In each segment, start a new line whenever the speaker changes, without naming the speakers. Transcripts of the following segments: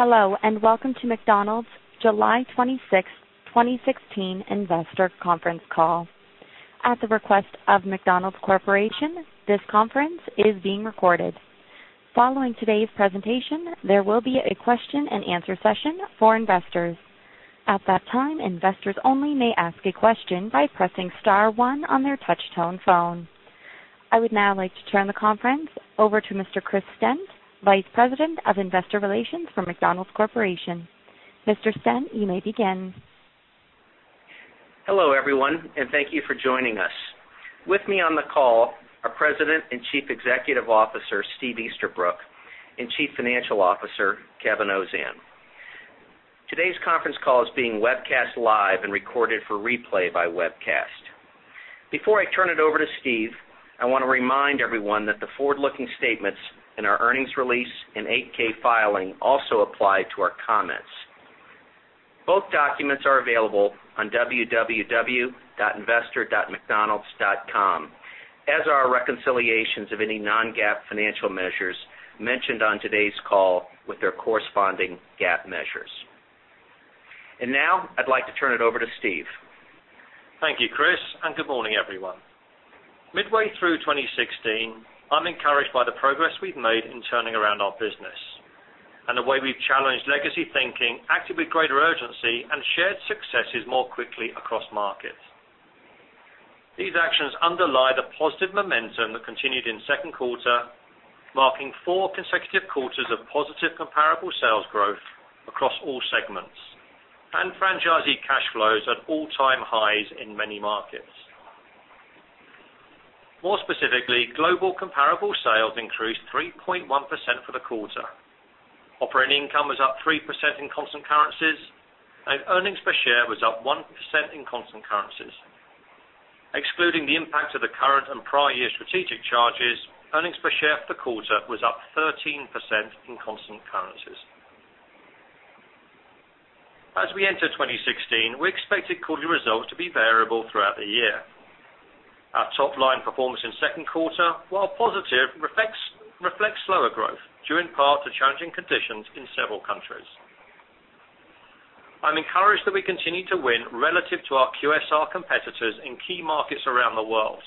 Hello, welcome to McDonald's July 26th, 2016 investor conference call. At the request of McDonald's Corporation, this conference is being recorded. Following today's presentation, there will be a question and answer session for investors. At that time, investors only may ask a question by pressing star one on their touch-tone phone. I would now like to turn the conference over to Mr. Christopher Stent, Vice President of Investor Relations for McDonald's Corporation. Mr. Stent, you may begin.
Hello, everyone, thank you for joining us. With me on the call are President and Chief Executive Officer, Steve Easterbrook, and Chief Financial Officer, Kevin Ozan. Today's conference call is being webcast live and recorded for replay by webcast. Before I turn it over to Steve, I want to remind everyone that the forward-looking statements in our earnings release and 8-K filing also apply to our comments. Both documents are available on www.investor.mcdonalds.com, as are our reconciliations of any non-GAAP financial measures mentioned on today's call with their corresponding GAAP measures. Now I'd like to turn it over to Steve.
Thank you, Chris, good morning, everyone. Midway through 2016, I'm encouraged by the progress we've made in turning around our business and the way we've challenged legacy thinking, acted with greater urgency, and shared successes more quickly across markets. These actions underlie the positive momentum that continued in second quarter, marking four consecutive quarters of positive comparable sales growth across all segments, and franchisee cash flows at all-time highs in many markets. More specifically, global comparable sales increased 3.1% for the quarter. Operating income was up 3% in constant currencies, and earnings per share was up 1% in constant currencies. Excluding the impact of the current and prior year strategic charges, earnings per share for quarter was up 13% in constant currencies. As we enter 2016, we expected quarterly results to be variable throughout the year. Our top-line performance in second quarter, while positive, reflects slower growth due in part to challenging conditions in several countries. I'm encouraged that we continue to win relative to our QSR competitors in key markets around the world.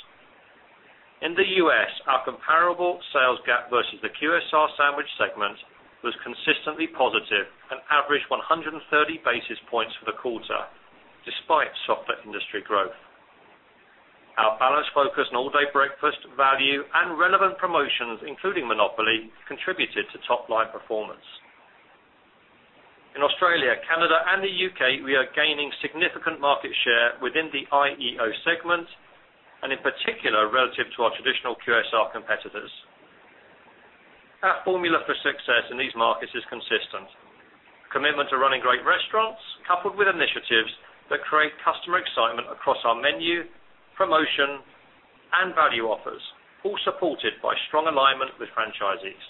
In the U.S., our comparable sales gap versus the QSR sandwich segment was consistently positive and averaged 130 basis points for the quarter despite softer industry growth. Our balanced focus on All Day Breakfast, value, and relevant promotions, including Monopoly, contributed to top-line performance. In Australia, Canada, and the U.K., we are gaining significant market share within the IEO segment and in particular, relative to our traditional QSR competitors. Our formula for success in these markets is consistent. Commitment to running great restaurants coupled with initiatives that create customer excitement across our menu, promotion, and value offers, all supported by strong alignment with franchisees.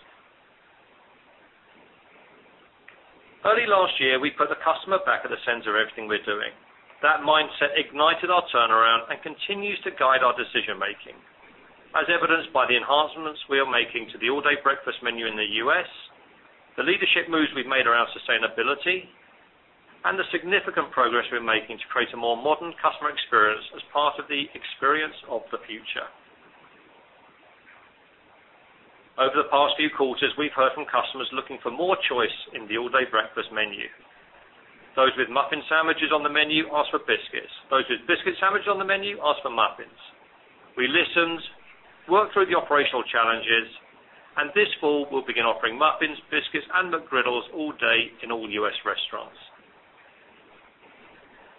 Early last year, we put the customer back at the center of everything we're doing. That mindset ignited our turnaround and continues to guide our decision-making, as evidenced by the enhancements we are making to the All Day Breakfast menu in the U.S., the leadership moves we've made around sustainability, and the significant progress we're making to create a more modern customer experience as part of the Experience of the Future. Over the past few quarters, we've heard from customers looking for more choice in the All Day Breakfast menu. Those with muffin sandwiches on the menu ask for biscuits. Those with biscuit sandwiches on the menu ask for muffins. We listened, worked through the operational challenges, and this fall, we'll begin offering muffins, biscuits, and McGriddles all day in all U.S. restaurants.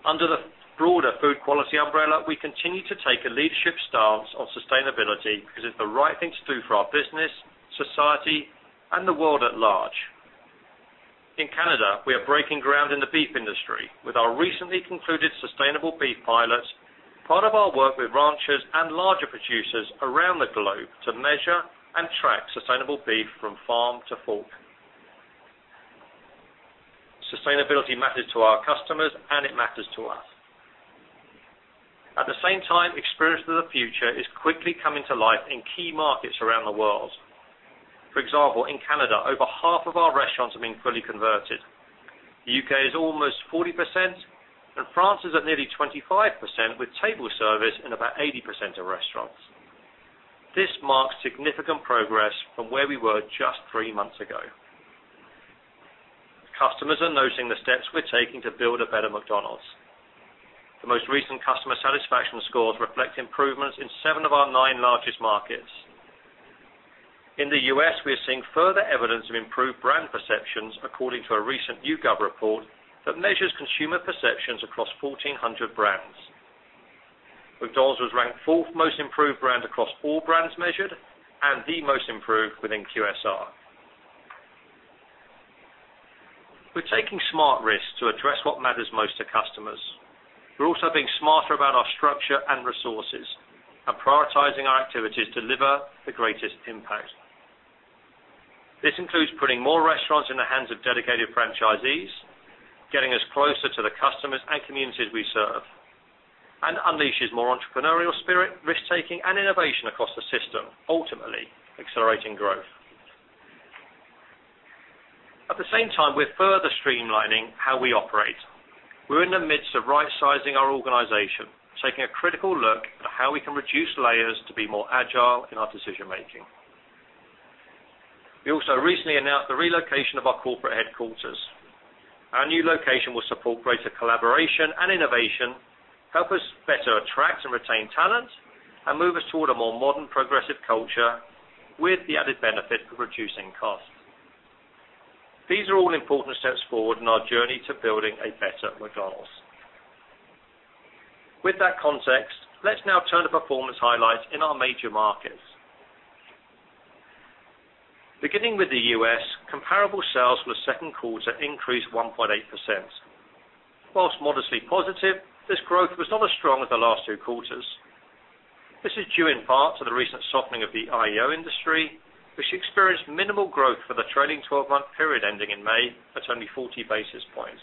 Under the broader food quality umbrella, we continue to take a leadership stance on sustainability because it's the right thing to do for our business, society, and the world at large. In Canada, we are breaking ground in the beef industry with our recently concluded sustainable beef pilots, part of our work with ranchers and larger producers around the globe to measure and track sustainable beef from farm to fork. Sustainability matters to our customers, and it matters to us. At the same time, Experience of the Future is quickly coming to life in key markets around the world. For example, in Canada, over half of our restaurants have been fully converted. The U.K. is almost 40%, and France is at nearly 25% with table service in about 80% of restaurants. This marks significant progress from where we were just three months ago. Customers are noticing the steps we're taking to build a better McDonald's. The most recent customer satisfaction scores reflect improvements in seven of our nine largest markets. In the U.S., we are seeing further evidence of improved brand perceptions according to a recent YouGov report that measures consumer perceptions across 1,400 brands. McDonald's was ranked fourth most improved brand across all brands measured and the most improved within QSR. We're taking smart risks to address what matters most to customers. We're also being smarter about our structure and resources and prioritizing our activities to deliver the greatest impact. This includes putting more restaurants in the hands of dedicated franchisees, getting us closer to the customers and communities we serve, and unleashes more entrepreneurial spirit, risk-taking, and innovation across the system, ultimately accelerating growth. At the same time, we're further streamlining how we operate. We're in the midst of rightsizing our organization, taking a critical look at how we can reduce layers to be more agile in our decision-making. We also recently announced the relocation of our corporate headquarters. Our new location will support greater collaboration and innovation, help us better attract and retain talent, and move us toward a more modern, progressive culture with the added benefit of reducing costs. These are all important steps forward in our journey to building a better McDonald's. With that context, let's now turn to performance highlights in our major markets. Beginning with the U.S., comparable sales for the second quarter increased 1.8%. Whilst modestly positive, this growth was not as strong as the last two quarters. This is due in part to the recent softening of the IEO industry, which experienced minimal growth for the trailing 12-month period ending in May at only 40 basis points.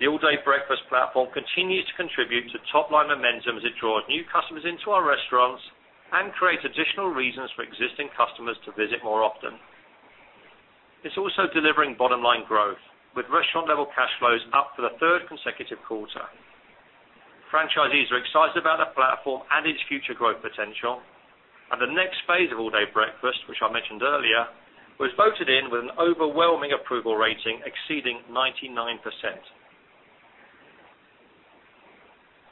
The All Day Breakfast platform continues to contribute to top-line momentum as it draws new customers into our restaurants and creates additional reasons for existing customers to visit more often. It's also delivering bottom-line growth, with restaurant-level cash flows up for the third consecutive quarter. Franchisees are excited about that platform and its future growth potential, and the next phase of All Day Breakfast, which I mentioned earlier, was voted in with an overwhelming approval rating exceeding 99%.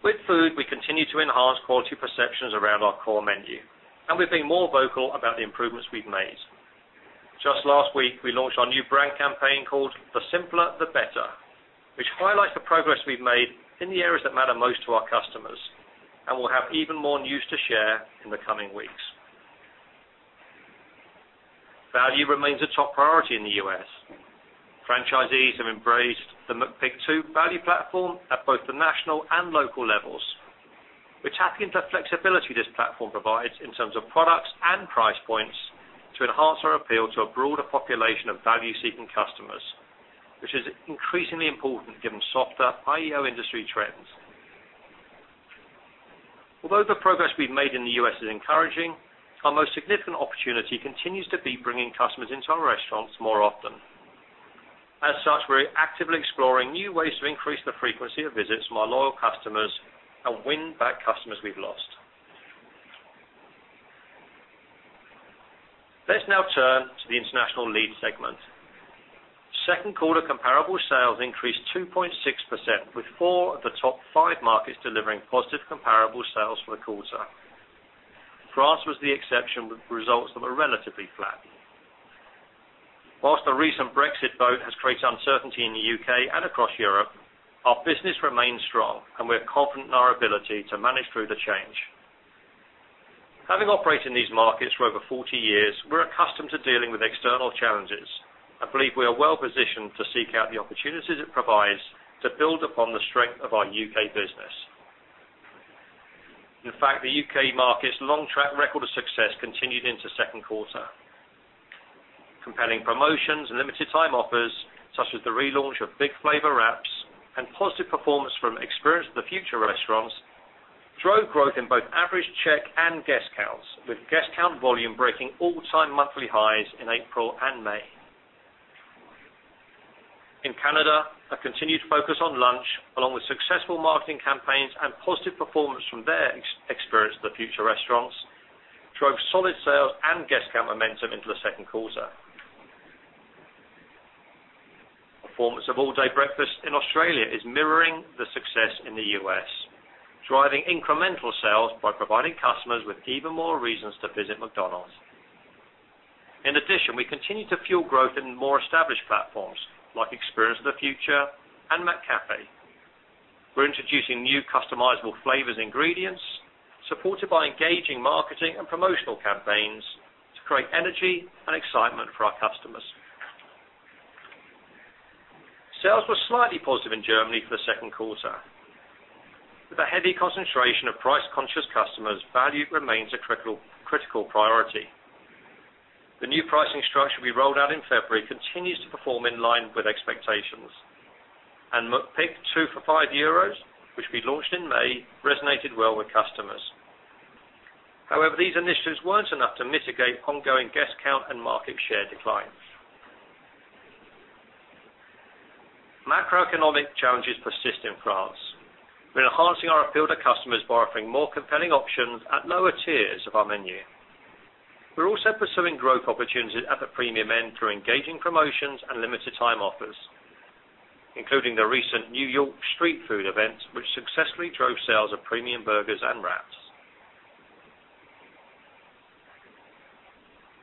With food, we continue to enhance quality perceptions around our core menu, and we're being more vocal about the improvements we've made. Just last week, we launched our new brand campaign called The Simpler the Better, which highlights the progress we've made in the areas that matter most to our customers and will have even more news to share in the coming weeks. Value remains a top priority in the U.S. Franchisees have embraced the McPick 2 value platform at both the national and local levels. We're tapping into the flexibility this platform provides in terms of products and price points to enhance our appeal to a broader population of value-seeking customers, which is increasingly important given softer IEO industry trends. Although the progress we've made in the U.S. is encouraging, our most significant opportunity continues to be bringing customers into our restaurants more often. As such, we're actively exploring new ways to increase the frequency of visits from our loyal customers and win back customers we've lost. Let's now turn to the International Lead Segment. Second quarter comparable sales increased 2.6%, with four of the top five markets delivering positive comparable sales for the quarter. France was the exception, with results that were relatively flat. Whilst the recent Brexit vote has created uncertainty in the U.K. and across Europe, our business remains strong, and we're confident in our ability to manage through the change. Having operated in these markets for over 40 years, we're accustomed to dealing with external challenges and believe we are well-positioned to seek out the opportunities it provides to build upon the strength of our U.K. business. In fact, the U.K. market's long track record of success continued into second quarter. Compelling promotions and limited time offers, such as the relaunch of Big Flavour Wraps and positive performance from Experience the Future restaurants, drove growth in both average check and guest counts, with guest count volume breaking all-time monthly highs in April and May. In Canada, a continued focus on lunch, along with successful marketing campaigns and positive performance from their Experience the Future restaurants, drove solid sales and guest count momentum into the second quarter. Performance of All Day Breakfast in Australia is mirroring the success in the U.S., driving incremental sales by providing customers with even more reasons to visit McDonald's. In addition, we continue to fuel growth in more established platforms like Experience of the Future and McCafé. We're introducing new customizable flavors and ingredients supported by engaging marketing and promotional campaigns to create energy and excitement for our customers. Sales were slightly positive in Germany for the second quarter. With a heavy concentration of price-conscious customers, value remains a critical priority. McPick 2 for €5, which we launched in May, resonated well with customers. However, these initiatives weren't enough to mitigate ongoing guest count and market share declines. Macroeconomic challenges persist in France. We're enhancing our appeal to customers by offering more compelling options at lower tiers of our menu. We're also pursuing growth opportunities at the premium end through engaging promotions and limited time offers, including the recent New York Street Food event, which successfully drove sales of premium burgers and wraps.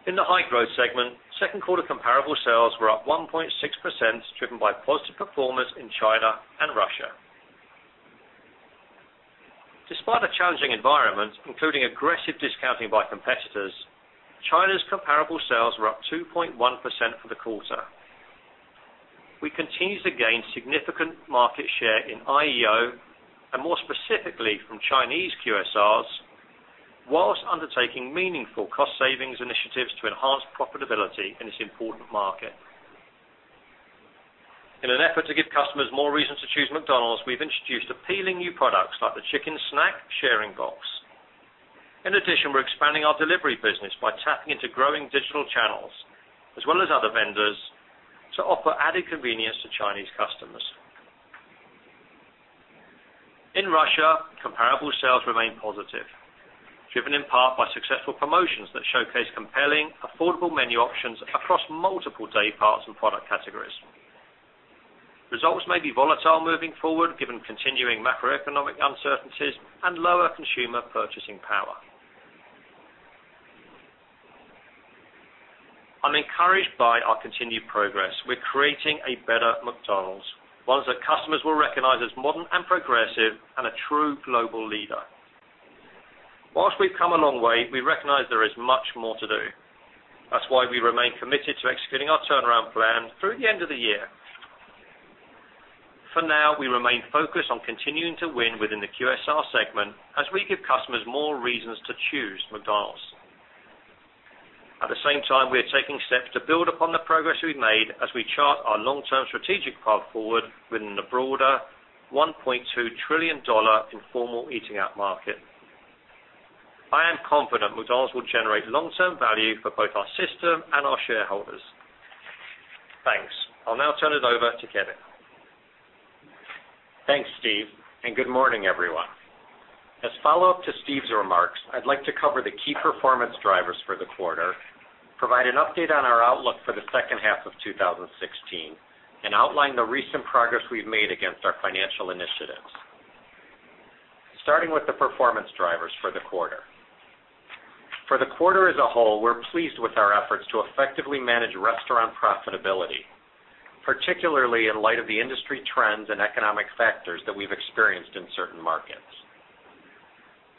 In the high-growth segment, second quarter comparable sales were up 1.6%, driven by positive performance in China and Russia. Despite a challenging environment, including aggressive discounting by competitors, China's comparable sales were up 2.1% for the quarter. We continue to gain significant market share in IEO, and more specifically from Chinese QSRs while undertaking meaningful cost savings initiatives to enhance profitability in this important market. In an effort to give customers more reasons to choose McDonald's, we've introduced appealing new products like the Chicken Snack Sharing Box. In addition, we're expanding our delivery business by tapping into growing digital channels, as well as other vendors, to offer added convenience to Chinese customers. In Russia, comparable sales remain positive, driven in part by successful promotions that showcase compelling, affordable menu options across multiple day parts and product categories. Results may be volatile moving forward, given continuing macroeconomic uncertainties and lower consumer purchasing power. I'm encouraged by our continued progress. We're creating a better McDonald's, one that customers will recognize as modern and progressive, and a true global leader. While we've come a long way, we recognize there is much more to do. That's why we remain committed to executing our turnaround plan through the end of the year. For now, we remain focused on continuing to win within the QSR segment as we give customers more reasons to choose McDonald's. At the same time, we are taking steps to build upon the progress we've made as we chart our long-term strategic path forward within the broader $1.2 trillion informal eating out market. I am confident McDonald's will generate long-term value for both our system and our shareholders. Thanks. I'll now turn it over to Kevin.
Thanks, Steve, good morning, everyone. As follow-up to Steve's remarks, I'd like to cover the key performance drivers for the quarter, provide an update on our outlook for the second half of 2016, and outline the recent progress we've made against our financial initiatives. Starting with the performance drivers for the quarter. For the quarter as a whole, we're pleased with our efforts to effectively manage restaurant profitability, particularly in light of the industry trends and economic factors that we've experienced in certain markets.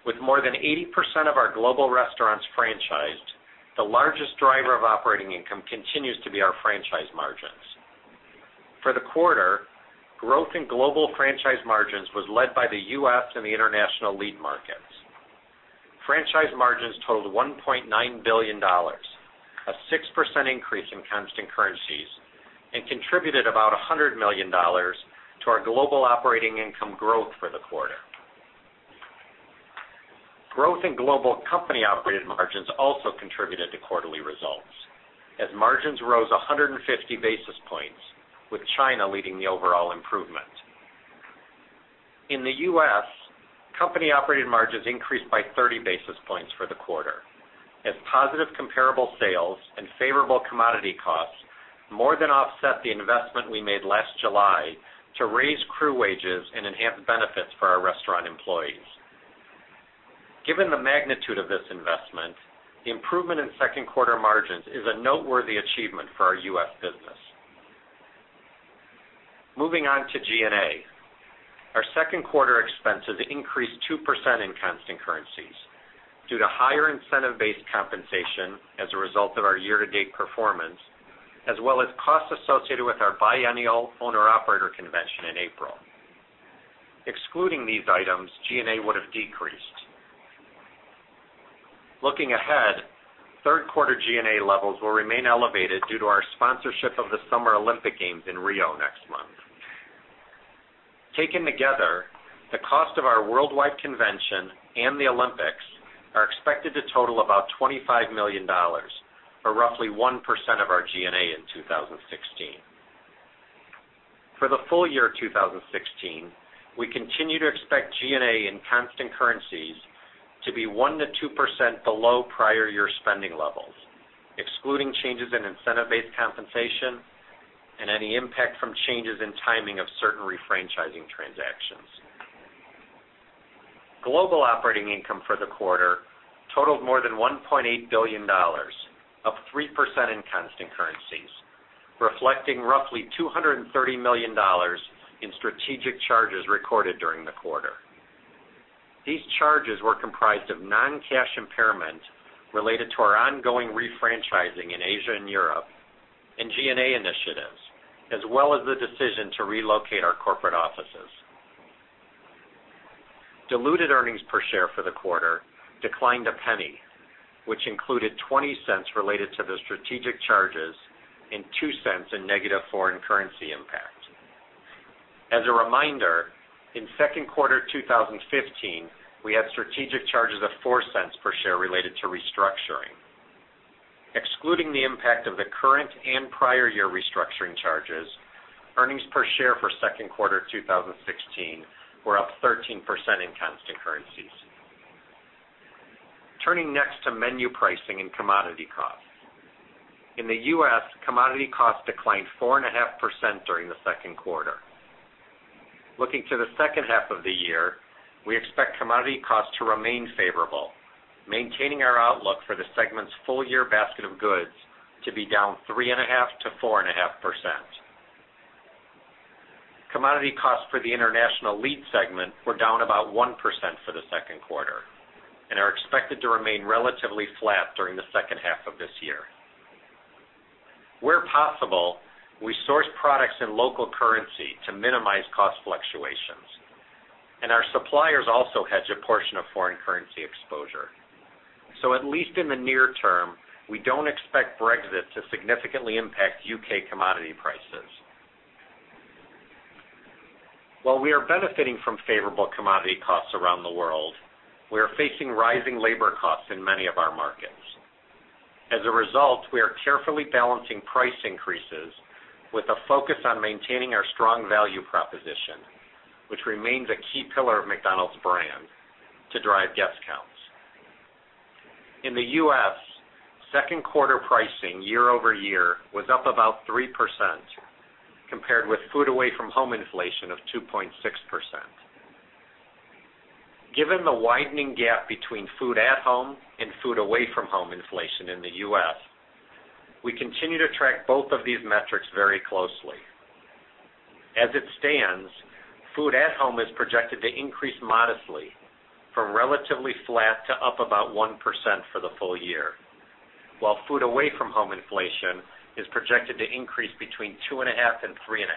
With more than 80% of our global restaurants franchised, the largest driver of operating income continues to be our franchise margins. For the quarter, growth in global franchise margins was led by the U.S. and the international lead markets. Franchise margins totaled $1.9 billion, a 6% increase in constant currencies, and contributed about $100 million to our global operating income growth for the quarter. Growth in global company-operated margins also contributed to quarterly results, as margins rose 150 basis points, with China leading the overall improvement. In the U.S., company-operated margins increased by 30 basis points for the quarter, as positive comparable sales and favorable commodity costs more than offset the investment we made last July to raise crew wages and enhance benefits for our restaurant employees. Given the magnitude of this investment, the improvement in second quarter margins is a noteworthy achievement for our U.S. business. G&A. Our second quarter expenses increased 2% in constant currencies due to higher incentive-based compensation as a result of our year-to-date performance, as well as costs associated with our biennial owner-operator convention in April. Excluding these items, G&A would have decreased. Third quarter G&A levels will remain elevated due to our sponsorship of the Summer Olympic Games in Rio next month. Taken together, the cost of our worldwide convention and the Olympics are expected to total about $25 million, or roughly 1% of our G&A in 2016. For the full year 2016, we continue to expect G&A in constant currencies to be 1%-2% below prior year spending levels, excluding changes in incentive-based compensation and any impact from changes in timing of certain refranchising transactions. Global operating income for the quarter totaled more than $1.8 billion, up 3% in constant currencies, reflecting roughly $230 million in strategic charges recorded during the quarter. These charges were comprised of non-cash impairment related to our ongoing refranchising in Asia and Europe, and G&A initiatives, as well as the decision to relocate our corporate offices. Diluted earnings per share for the quarter declined $0.01, which included $0.20 related to the strategic charges and $0.02 in negative foreign currency impact. As a reminder, in second quarter 2015, we had strategic charges of $0.04 per share related to restructuring. Excluding the impact of the current and prior year restructuring charges, earnings per share for second quarter 2016 were up 13% in constant currencies. Menu pricing and commodity costs. In the U.S., commodity costs declined 4.5% during the second quarter. We expect commodity costs to remain favorable, maintaining our outlook for the segment's full-year basket of goods to be down 3.5%-4.5%. Commodity costs for the international lead segment were down about 1% for the second quarter and are expected to remain relatively flat during the second half of this year. Where possible, we source products in local currency to minimize cost fluctuations, and our suppliers also hedge a portion of foreign currency exposure. At least in the near term, we don't expect Brexit to significantly impact U.K. commodity prices. While we are benefiting from favorable commodity costs around the world, we are facing rising labor costs in many of our markets. We are carefully balancing price increases with a focus on maintaining our strong value proposition, which remains a key pillar of McDonald's brand to drive guest counts. In the U.S., second quarter pricing year-over-year was up about 3% compared with food away from home inflation of 2.6%. Given the widening gap between food at home and food away from home inflation in the U.S., we continue to track both of these metrics very closely. As it stands, food at home is projected to increase modestly from relatively flat to up about 1% for the full year, while food away from home inflation is projected to increase between 2.5% and 3.5%.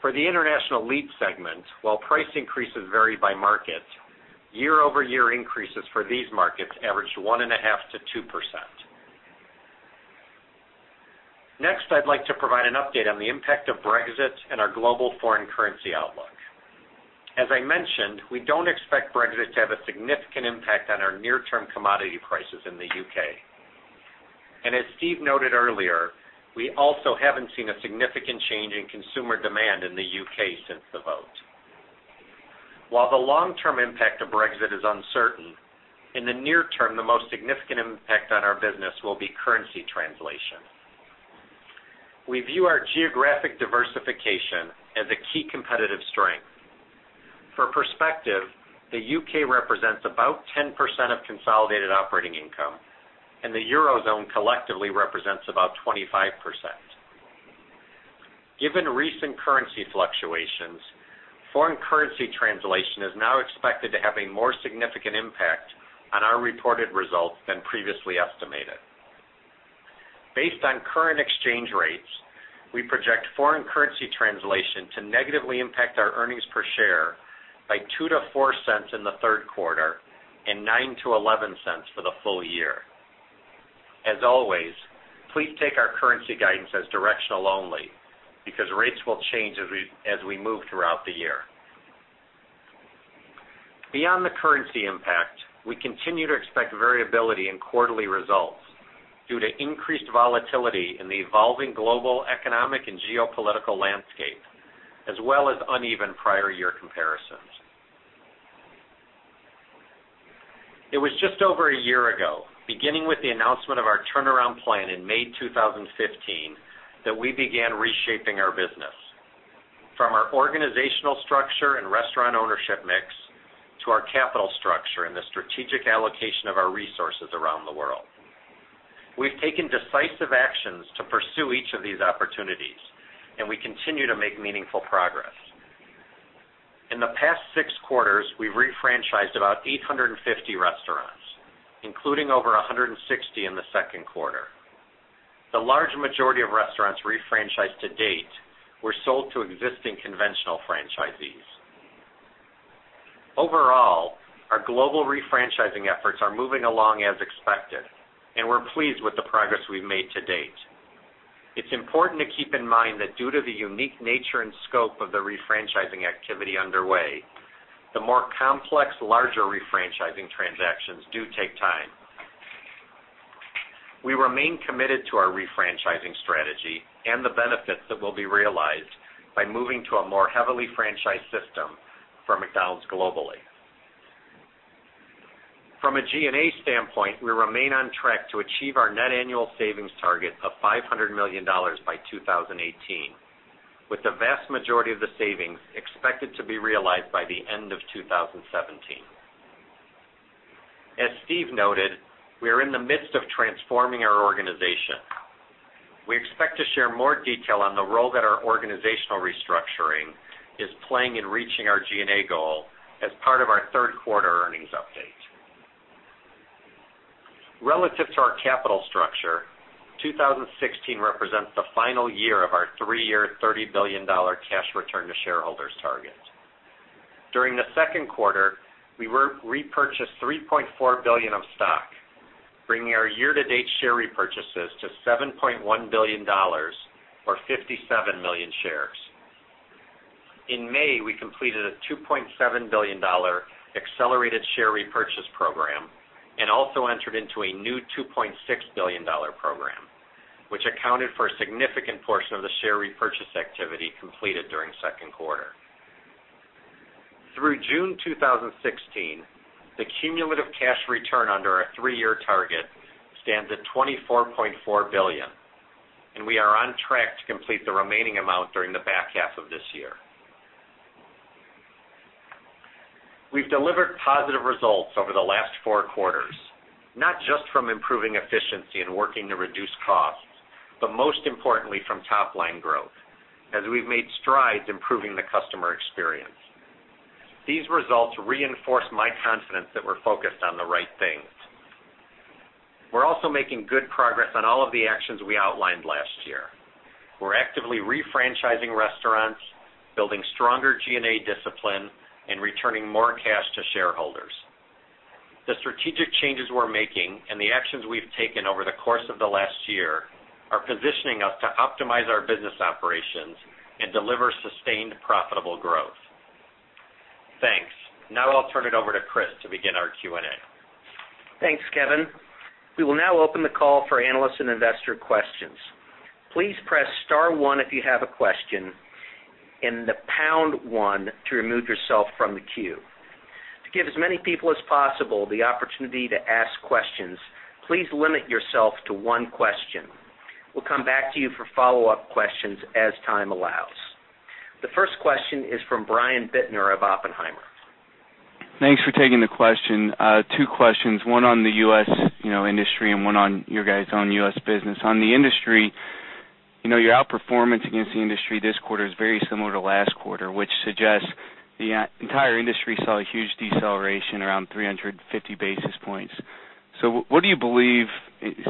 For the international lead segment, while price increases vary by market, year-over-year increases for these markets averaged 1.5%-2%. Next, I'd like to provide an update on the impact of Brexit and our global foreign currency outlook. As I mentioned, we don't expect Brexit to have a significant impact on our near-term commodity prices in the U.K. As Steve Easterbrook noted earlier, we also haven't seen a significant change in consumer demand in the U.K. since the vote. While the long-term impact of Brexit is uncertain, in the near term, the most significant impact on our business will be currency translation. We view our geographic diversification as a key competitive strength. For perspective, the U.K. represents about 10% of consolidated operating income, and the Eurozone collectively represents about 25%. Given recent currency fluctuations, foreign currency translation is now expected to have a more significant impact on our reported results than previously estimated. Based on current exchange rates, we project foreign currency translation to negatively impact our earnings per share by $0.02-$0.04 in the third quarter and $0.09-$0.11 for the full year. As always, please take our currency guidance as directional only because rates will change as we move throughout the year. Beyond the currency impact, we continue to expect variability in quarterly results due to increased volatility in the evolving global economic and geopolitical landscape, as well as uneven prior year comparisons. It was just over a year ago, beginning with the announcement of our turnaround plan in May 2015, that we began reshaping our business. From our organizational structure and restaurant ownership mix to our capital structure and the strategic allocation of our resources around the world. We've taken decisive actions to pursue each of these opportunities, and we continue to make meaningful progress. In the past six quarters, we've refranchised about 850 restaurants, including over 160 in the second quarter. The large majority of restaurants refranchised to date were sold to existing conventional franchisees. Overall, our global refranchising efforts are moving along as expected, and we're pleased with the progress we've made to date. It's important to keep in mind that due to the unique nature and scope of the refranchising activity underway, the more complex, larger refranchising transactions do take time. We remain committed to our refranchising strategy and the benefits that will be realized by moving to a more heavily franchised system for McDonald's globally. From a G&A standpoint, we remain on track to achieve our net annual savings target of $500 million by 2018, with the vast majority of the savings expected to be realized by the end of 2017. As Steve Easterbrook noted, we are in the midst of transforming our organization. We expect to share more detail on the role that our organizational restructuring is playing in reaching our G&A goal as part of our third quarter earnings update. Relative to our capital structure, 2016 represents the final year of our three-year $30 billion cash return to shareholders target. During the second quarter, we repurchased $3.4 billion of stock, bringing our year-to-date share repurchases to $7.1 billion, or 57 million shares. In May, we completed a $2.7 billion accelerated share repurchase program and also entered into a new $2.6 billion program, which accounted for a significant portion of the share repurchase activity completed during second quarter. Through June 2016, the cumulative cash return under our three-year target stands at $24.4 billion, we are on track to complete the remaining amount during the back half of this year. We've delivered positive results over the last four quarters, not just from improving efficiency and working to reduce costs, most importantly from top-line growth as we've made strides improving the customer experience. These results reinforce my confidence that we're focused on the right things. We're also making good progress on all of the actions we outlined last year. We're actively refranchising restaurants, building stronger G&A discipline, returning more cash to shareholders. The strategic changes we're making the actions we've taken over the course of the last year are positioning us to optimize our business operations and deliver sustained, profitable growth. Thanks. Now I'll turn it over to Chris to begin our Q&A.
Thanks, Kevin. We will now open the call for analyst and investor questions. Please press *1 if you have a question the #1 to remove yourself from the queue. To give as many people as possible the opportunity to ask questions, please limit yourself to one question. We'll come back to you for follow-up questions as time allows. The first question is from Brian Bittner of Oppenheimer.
Thanks for taking the question. Two questions, one on the U.S. industry one on your guys' own U.S. business. On the industry, your outperformance against the industry this quarter is very similar to last quarter, which suggests the entire industry saw a huge deceleration around 350 basis points. What do you believe,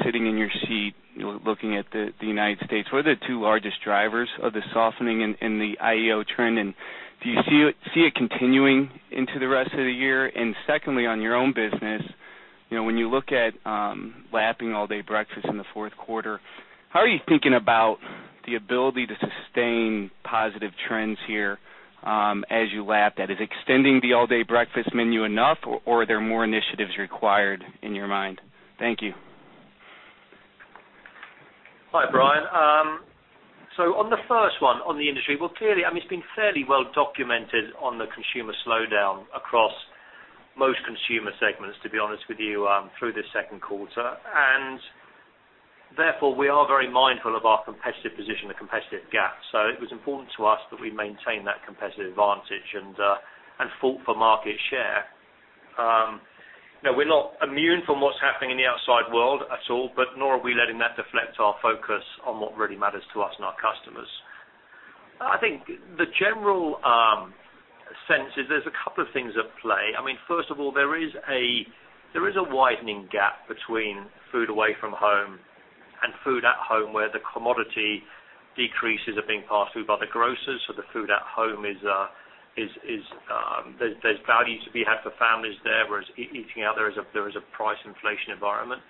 sitting in your seat, looking at the United States, what are the two largest drivers of the softening in the IEO trend? Do you see it continuing into the rest of the year? Secondly, on your own business, when you look at lapping All Day Breakfast in the fourth quarter, how are you thinking about the ability to sustain positive trends here as you lap that? Is extending the All Day Breakfast menu enough, or are there more initiatives required in your mind? Thank you.
Hi, Brian. On the first one, on the industry, well, clearly, it's been fairly well documented on the consumer slowdown across most consumer segments, to be honest with you, through the second quarter. Therefore, we are very mindful of our competitive position, the competitive gap. It was important to us that we maintain that competitive advantage and fought for market share. We're not immune from what's happening in the outside world at all, nor are we letting that deflect our focus on what really matters to us and our customers. I think the general sense is there's a couple of things at play. First of all, there is a widening gap between food away from home and food at home, where the commodity decreases are being passed through by the grocers. The food at home, there's value to be had for families there, whereas eating out, there is a price inflation environment.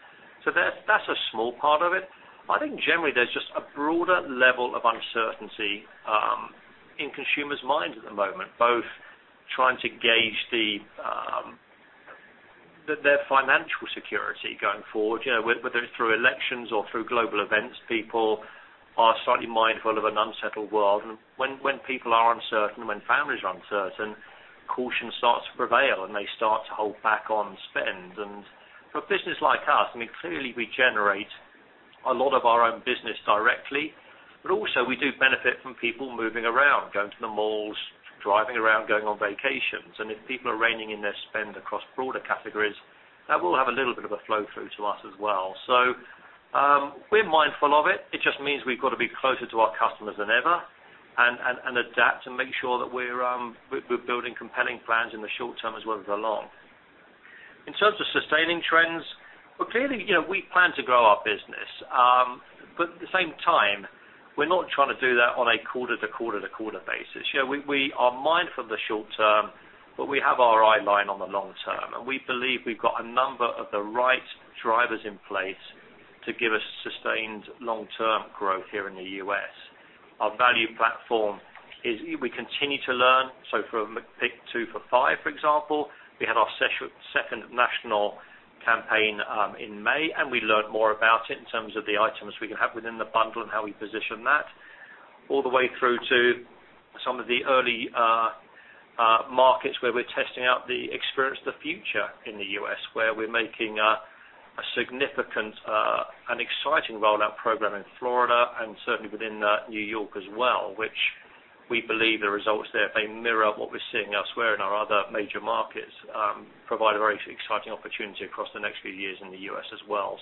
That's a small part of it. I think generally there's just a broader level of uncertainty in consumers' minds at the moment, both trying to gauge their financial security going forward, whether it's through elections or through global events, people are slightly mindful of an unsettled world. When people are uncertain, when families are uncertain, caution starts to prevail, and they start to hold back on spend. For a business like us, clearly we generate a lot of our own business directly, but also we do benefit from people moving around, going to the malls, driving around, going on vacations. If people are reining in their spend across broader categories, that will have a little bit of a flow-through to us as well. We're mindful of it. It just means we've got to be closer to our customers than ever and adapt and make sure that we're building compelling plans in the short term as well as the long. In terms of sustaining trends, well, clearly, we plan to grow our business. At the same time, we're not trying to do that on a quarter to quarter to quarter basis. We are mindful of the short term, we have our eye line on the long term, and we believe we've got a number of the right drivers in place to give us sustained long-term growth here in the U.S. Our value platform is we continue to learn. For a McPick 2 for $5, for example, we had our second national campaign in May, and we learned more about it in terms of the items we can have within the bundle and how we position that, all the way through to some of the early markets where we're testing out the Experience the Future in the U.S. where we're making a significant, an exciting rollout program in Florida and certainly within New York as well, which we believe the results there, if they mirror what we're seeing elsewhere in our other major markets, provide a very exciting opportunity across the next few years in the U.S. as well.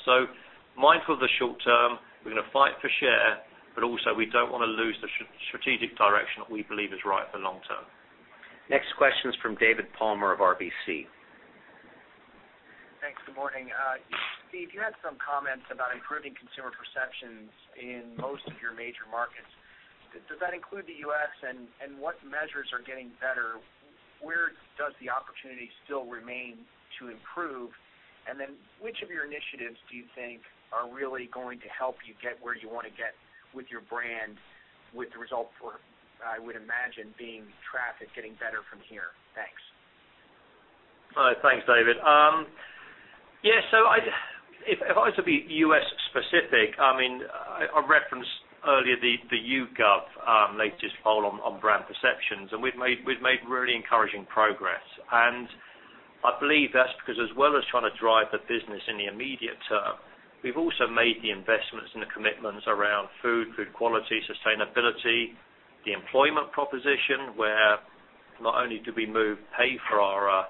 Mindful of the short term, we're going to fight for share, also we don't want to lose the strategic direction that we believe is right for long term.
Next question is from David Palmer of RBC.
Thanks. Good morning. Steve, you had some comments about improving consumer perceptions in most of your major markets. Does that include the U.S., and what measures are getting better? Where does the opportunity still remain to improve? Which of your initiatives do you think are really going to help you get where you want to get with your brand, with the result for, I would imagine, being traffic getting better from here? Thanks.
Thanks, David. If I was to be U.S.-specific, I referenced earlier the YouGov latest poll on brand perceptions, we've made really encouraging progress. I believe that's because as well as trying to drive the business in the immediate term, we've also made the investments and the commitments around food quality, sustainability, the employment proposition, where not only do we move pay for our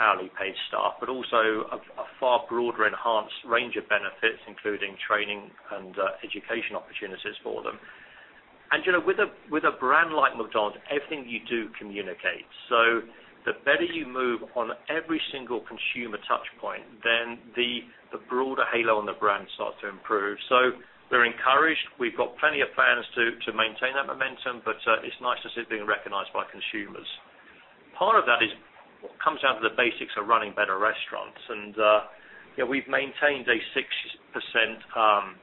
hourly paid staff, but also a far broader enhanced range of benefits, including training and education opportunities for them. With a brand like McDonald's, everything you do communicates. The better you move on every single consumer touch point, then the broader halo on the brand starts to improve. We're encouraged. We've got plenty of plans to maintain that momentum, but it's nice to see it being recognized by consumers. Part of that comes down to the basics of running better restaurants, and we've maintained a 6%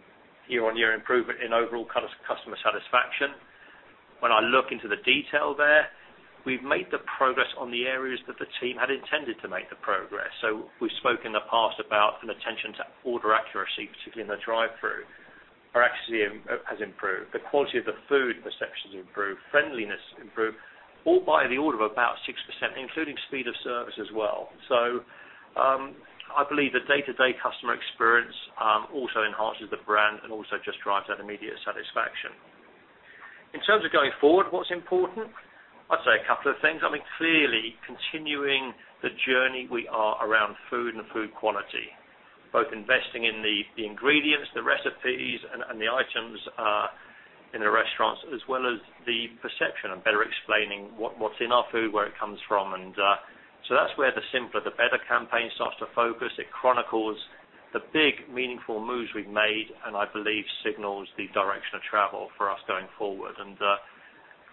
year-on-year improvement in overall customer satisfaction. When I look into the detail there, we've made the progress on the areas that the team had intended to make the progress. We've spoken in the past about an attention to order accuracy, particularly in the drive-thru, actually has improved. The quality of the food perception's improved, friendliness improved, all by the order of about 6%, including speed of service as well. I believe the day-to-day customer experience also enhances the brand and also just drives that immediate satisfaction. In terms of going forward, what's important? I'd say a couple of things. Clearly continuing the journey we are around food and food quality, both investing in the ingredients, the recipes, and the items in the restaurants, as well as the perception of better explaining what's in our food, where it comes from. That's where The Simpler the Better campaign starts to focus. It chronicles the big, meaningful moves we've made, and I believe signals the direction of travel for us going forward.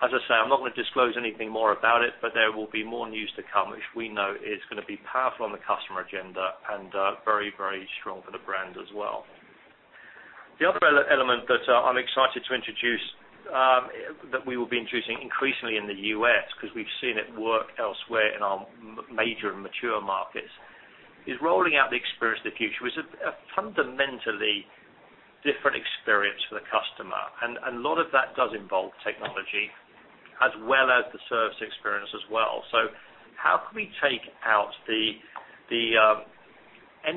As I say, I'm not going to disclose anything more about it, but there will be more news to come, which we know is going to be powerful on the customer agenda and very, very strong for the brand as well. The other element that I'm excited to introduce, that we will be introducing increasingly in the U.S., because we've seen it work elsewhere in our major and mature markets, is rolling out the Experience of the Future. It's a fundamentally different experience for the customer, and a lot of that does involve technology as well as the service experience as well. How can we take out any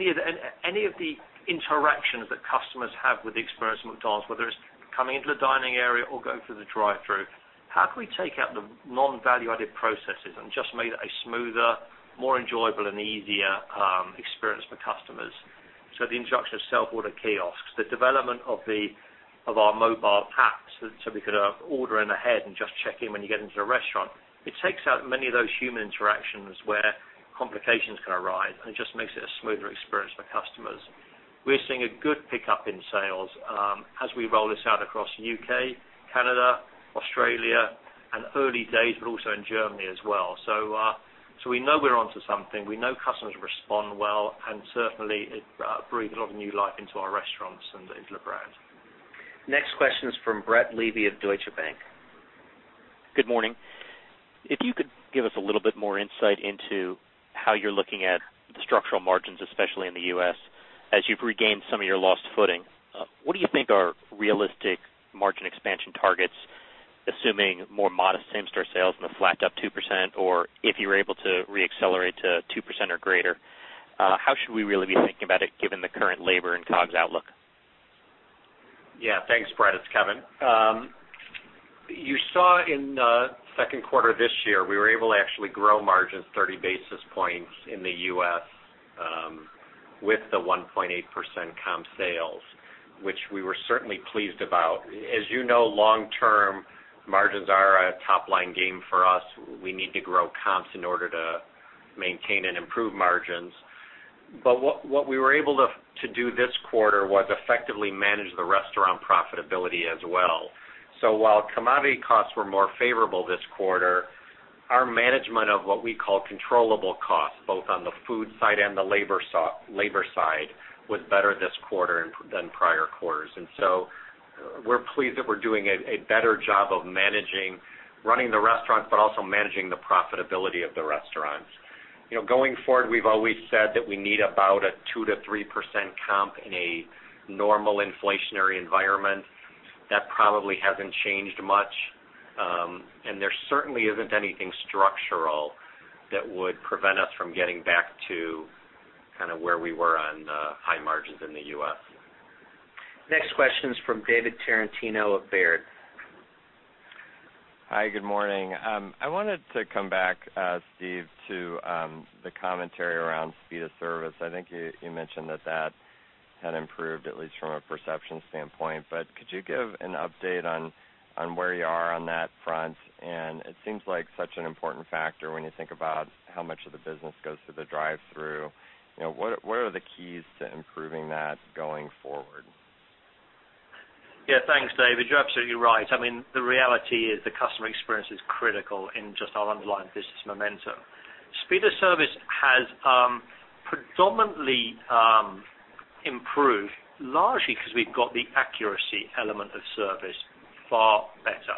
of the interactions that customers have with the experience of McDonald's, whether it's coming into the dining area or going through the drive-thru, how can we take out the non-value-added processes and just make it a smoother, more enjoyable, and easier experience for customers? The introduction of self-order kiosks, the development of our mobile apps, so we could order ahead and just check in when you get into a restaurant. It takes out many of those human interactions where complications can arise, and it just makes it a smoother experience for customers. We're seeing a good pickup in sales as we roll this out across the U.K., Canada, Australia, and early days, but also in Germany as well. We know we're onto something. We know customers respond well, and certainly it breathes a lot of new life into our restaurants and into the brand.
Next question is from Brett Levy of Deutsche Bank.
Good morning. If you could give us a little bit more insight into how you're looking at the structural margins, especially in the U.S., as you've regained some of your lost footing. What do you think are realistic margin expansion targets, assuming more modest same-store sales in the flat to up 2%, or if you're able to re-accelerate to 2% or greater, how should we really be thinking about it given the current labor and COGS outlook?
Yeah. Thanks, Brett. It's Kevin. You saw in the second quarter this year, we were able to actually grow margins 30 basis points in the U.S. with the 1.8% comp sales, which we were certainly pleased about. As you know, long term, margins are a top-line game for us. We need to grow comps in order to maintain and improve margins. What we were able to do this quarter was effectively manage the restaurant profitability as well. While commodity costs were more favorable this quarter, our management of what we call controllable costs, both on the food side and the labor side, was better this quarter than prior quarters. We're pleased that we're doing a better job of managing running the restaurant, but also managing the profitability of the restaurants. Going forward, we've always said that we need about a 2%-3% comp in a normal inflationary environment. That probably hasn't changed much. There certainly isn't anything structural that would prevent us from getting back to where we were on the high margins in the U.S.
Next question is from David Tarantino of Baird.
Hi, good morning. I wanted to come back, Steve, to the commentary around speed of service. I think you mentioned that that had improved, at least from a perception standpoint. Could you give an update on where you are on that front? It seems like such an important factor when you think about how much of the business goes through the drive-thru. What are the keys to improving that going forward?
Yeah. Thanks, David. You're absolutely right. The reality is the customer experience is critical in just our underlying business momentum. Speed of service has predominantly improved, largely because we've got the accuracy element of service far better.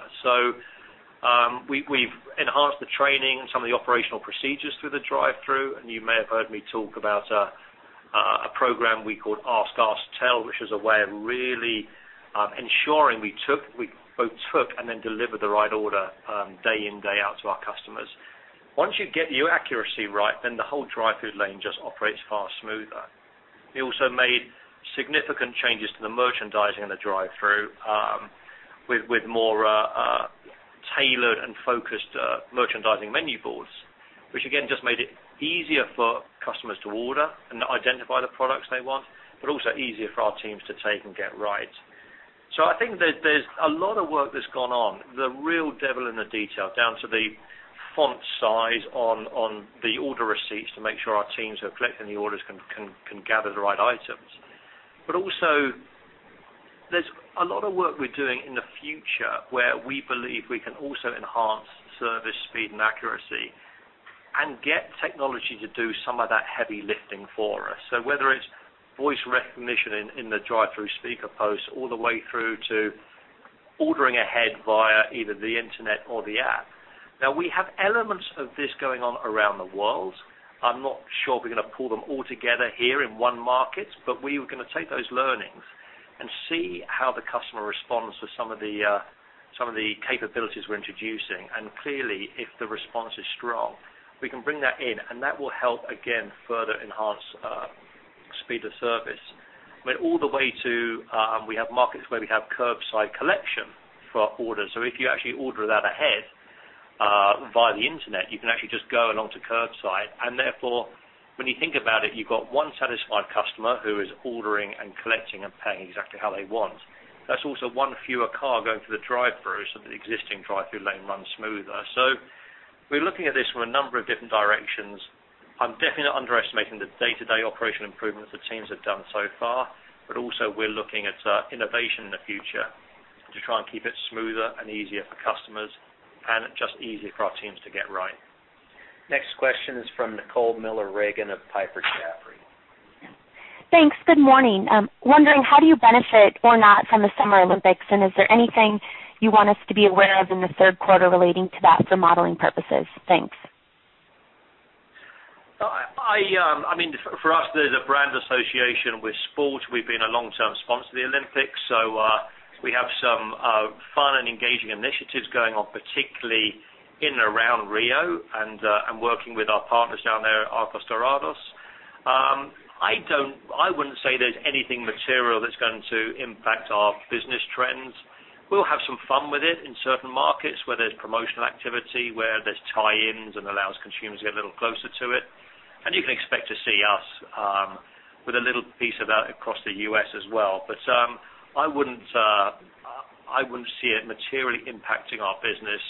We've enhanced the training and some of the operational procedures through the drive-thru, you may have heard me talk about a program we call Ask, Tell, which is a way of really ensuring we both took and then deliver the right order day in, day out to our customers. Once you get your accuracy right, the whole drive-thru lane just operates far smoother. We also made significant changes to the merchandising in the drive-thru, with more tailored and focused merchandising menu boards, which again, just made it easier for customers to order and identify the products they want, but also easier for our teams to take and get right. I think that there's a lot of work that's gone on, the real devil in the detail, down to the font size on the order receipts to make sure our teams who are collecting the orders can gather the right items. Also, there's a lot of work we're doing in the future where we believe we can also enhance service speed and accuracy and get technology to do some of that heavy lifting for us. Whether it's voice recognition in the drive-thru speaker posts all the way through to ordering ahead via either the internet or the app. We have elements of this going on around the world. I'm not sure we're going to pull them all together here in one market, we are going to take those learnings and see how the customer responds to some of the capabilities we're introducing. Clearly, if the response is strong, we can bring that in, that will help, again, further enhance speed of service. All the way to, we have markets where we have curbside collection for orders. If you actually order that ahead, via the internet, you can actually just go along to curbside, therefore, when you think about it, you've got one satisfied customer who is ordering and collecting and paying exactly how they want. That's also one fewer car going through the drive-thru, the existing drive-thru lane runs smoother. We're looking at this from a number of different directions. I'm definitely not underestimating the day-to-day operation improvements the teams have done so far, also we're looking at innovation in the future to try and keep it smoother and easier for customers and just easier for our teams to get right.
Next question is from Nicole Miller Regan of Piper Jaffray.
Thanks. Good morning. Wondering how do you benefit or not from the Summer Olympics, and is there anything you want us to be aware of in the third quarter relating to that for modeling purposes? Thanks.
For us, there's a brand association with sport. We've been a long-term sponsor of the Olympics. We have some fun and engaging initiatives going on, particularly in and around Rio and working with our partners down there at Arcos Dorados. I wouldn't say there's anything material that's going to impact our business trends. We'll have some fun with it in certain markets where there's promotional activity, where there's tie-ins and allows consumers to get a little closer to it. You can expect to see us with a little piece of that across the U.S. as well. I wouldn't see it materially impacting our business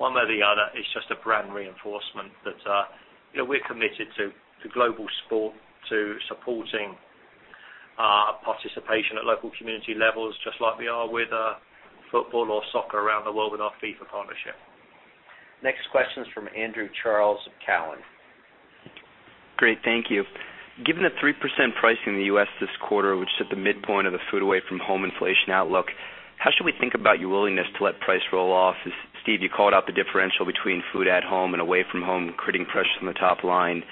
one way or the other. It's just a brand reinforcement that we're committed to global sport, to supporting participation at local community levels, just like we are with football or soccer around the world with our FIFA partnership.
Next question is from Andrew Charles of Cowen.
Great. Thank you. Given the 3% pricing in the U.S. this quarter, which is at the midpoint of the food away from home inflation outlook, how should we think about your willingness to let price roll off? Steve, you called out the differential between food at home and away from home creating pressures on the top line.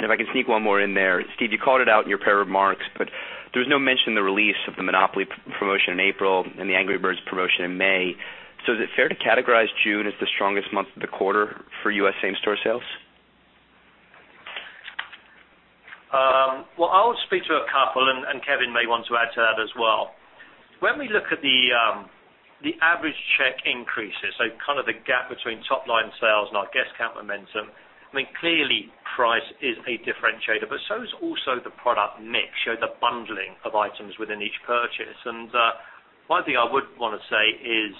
If I can sneak one more in there, Steve, you called it out in your prepared remarks, but there was no mention in the release of the Monopoly promotion in April and the Angry Birds promotion in May. Is it fair to categorize June as the strongest month of the quarter for U.S. same-store sales?
Well, I will speak to a couple, Kevin may want to add to that as well. When we look at the average check increases, so kind of the gap between top-line sales and our guest count momentum, clearly, price is a differentiator, but so is also the product mix, so the bundling of items within each purchase. One thing I would want to say is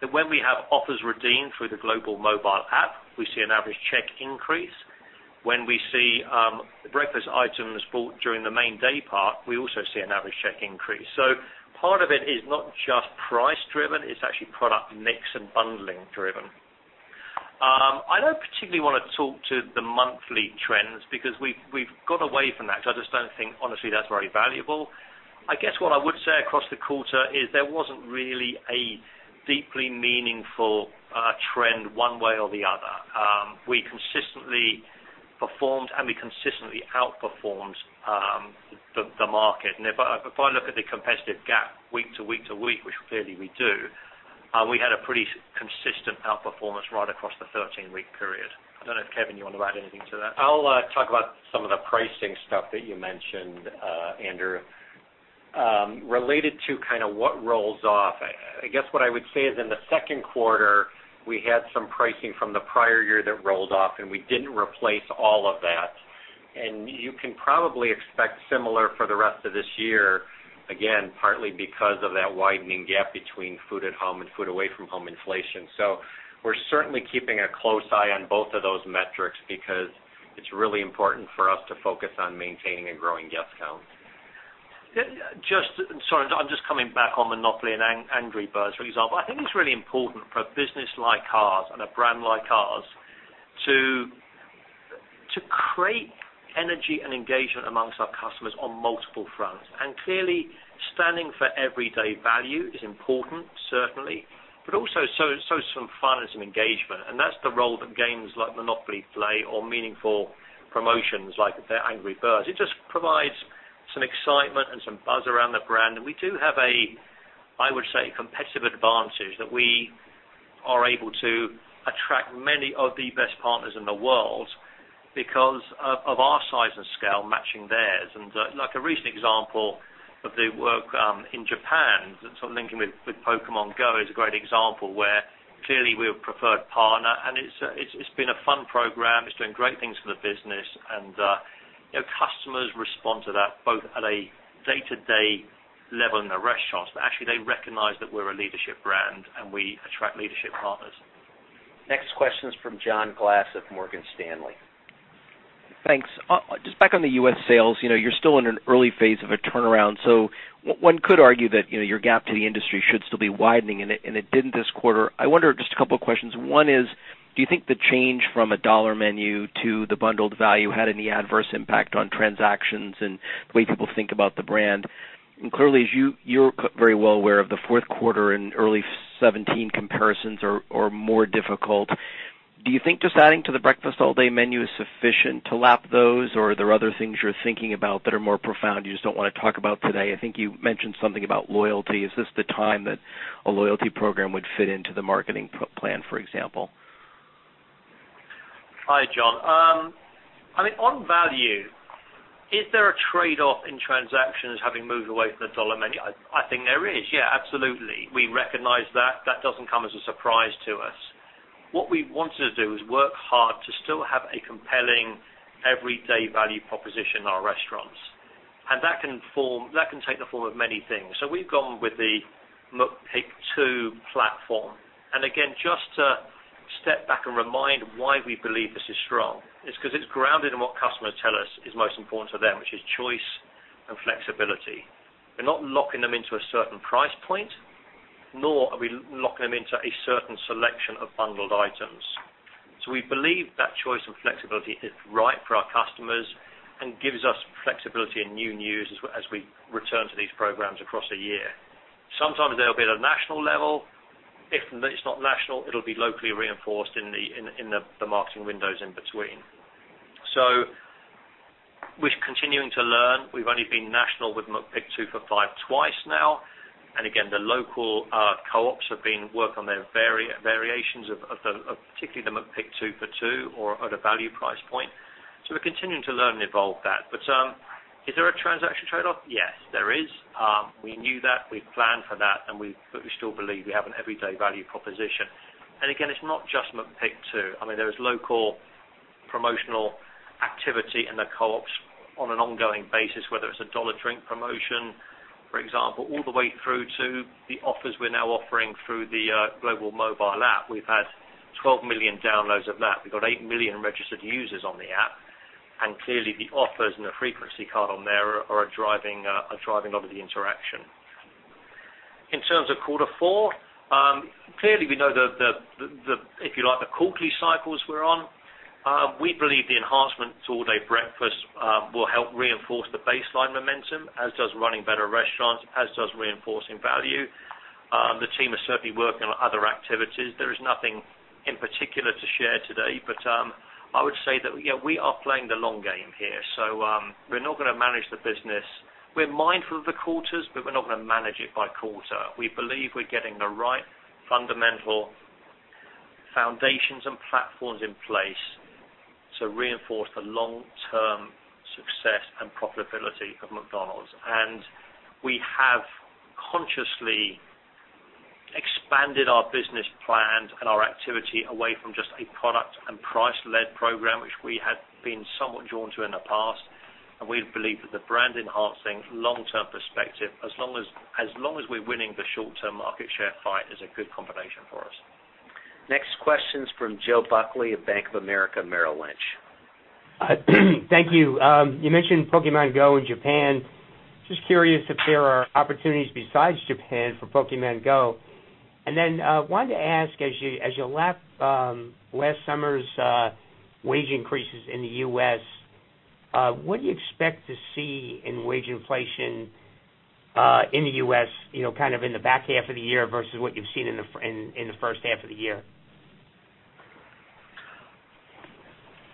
that when we have offers redeemed through the global mobile app, we see an average check increase. When we see breakfast items bought during the main day part, we also see an average check increase. Part of it is not just price-driven, it is actually product mix and bundling-driven. I do not particularly want to talk to the monthly trends because we have got away from that because I just do not think, honestly, that is very valuable. I guess what I would say across the quarter is there was not really a deeply meaningful trend one way or the other. We consistently performed, we consistently outperformed the market. If I look at the competitive gap week to week to week, which clearly we do, we had a pretty consistent outperformance right across the 13-week period. I do not know if, Kevin, you want to add anything to that.
I will talk about some of the pricing stuff that you mentioned, Andrew. Related to what rolls off, I guess what I would say is in the second quarter, we had some pricing from the prior year that rolled off, we did not replace all of that. You can probably expect similar for the rest of this year, again, partly because of that widening gap between food at home and food away from home inflation. We are certainly keeping a close eye on both of those metrics because it is really important for us to focus on maintaining and growing guest count.
Sorry, I'm just coming back on Monopoly and Angry Birds, for example. I think it's really important for a business like ours and a brand like ours to create energy and engagement amongst our customers on multiple fronts. Clearly, standing for everyday value is important, certainly, but also some fun and some engagement. That's the role that games like Monopoly play or meaningful promotions like Angry Birds. It just provides some excitement and some buzz around the brand. We do have a, I would say, competitive advantage that we are able to attract many of the best partners in the world because of our size and scale matching theirs. A recent example of the work in Japan, sort of linking with Pokémon GO, is a great example where clearly we're a preferred partner, and it's been a fun program. It's doing great things for the business, and customers respond to that, both at a day-to-day level in the restaurants, but actually, they recognize that we're a leadership brand, and we attract leadership partners.
Next question is from John Glass of Morgan Stanley.
Thanks. Just back on the U.S. sales. You're still in an early phase of a turnaround, so one could argue that your gap to the industry should still be widening, and it didn't this quarter. I wonder, just a couple of questions. One is, do you think the change from a dollar menu to the bundled value had any adverse impact on transactions and the way people think about the brand? Clearly, as you're very well aware of the fourth quarter and early 2017 comparisons are more difficult. Do you think just adding to the All Day Breakfast menu is sufficient to lap those, or are there other things you're thinking about that are more profound you just don't want to talk about today? I think you mentioned something about loyalty. Is this the time that a loyalty program would fit into the marketing plan, for example?
Hi, John. I mean, on value, is there a trade-off in transactions having moved away from the dollar menu? I think there is. Yeah, absolutely. We recognize that. That doesn't come as a surprise to us. What we wanted to do is work hard to still have a compelling everyday value proposition in our restaurants. That can take the form of many things. We've gone with the McPick 2 platform. Again, just to step back and remind why we believe this is strong, it's because it's grounded in what customers tell us is most important to them, which is choice and flexibility. We're not locking them into a certain price point, nor are we locking them into a certain selection of bundled items. We believe that choice and flexibility is right for our customers and gives us flexibility and new news as we return to these programs across a year. Sometimes they'll be at a national level. If it's not national, it'll be locally reinforced in the marketing windows in between. We're continuing to learn. We've only been national with McPick 2 for $5 twice now. Again, the local co-ops have been work on their variations of particularly the McPick 2 for $2 or at a value price point. We're continuing to learn and evolve that. Is there a transaction trade-off? Yes, there is. We knew that. We planned for that, but we still believe we have an everyday value proposition. Again, it's not just McPick 2. There is local promotional activity in the co-ops on an ongoing basis, whether it's a dollar drink promotion, for example, all the way through to the offers we're now offering through the global mobile app. We've had 12 million downloads of that. We've got eight million registered users on the app, and clearly the offers and the frequency card on there are driving a lot of the interaction. In terms of quarter four, clearly we know the, if you like, the quarterly cycles we're on. We believe the enhancements All Day Breakfast will help reinforce the baseline momentum, as does running better restaurants, as does reinforcing value. The team is certainly working on other activities. There is nothing in particular to share today, but I would say that we are playing the long game here. We're not going to manage the business. We're mindful of the quarters, but we're not going to manage it by quarter. We believe we're getting the right fundamental foundations and platforms in place to reinforce the long-term success and profitability of McDonald's. We have consciously expanded our business plans and our activity away from just a product and price-led program, which we had been somewhat drawn to in the past. We believe that the brand enhancing long-term perspective, as long as we're winning the short-term market share fight, is a good combination for us.
Next question is from Joe Buckley of Bank of America Merrill Lynch.
Thank you. You mentioned Pokémon GO in Japan. Just curious if there are opportunities besides Japan for Pokémon GO. Wanted to ask, as you lap last summer's wage increases in the U.S., what do you expect to see in wage inflation in the U.S. kind of in the back half of the year versus what you've seen in the first half of the year?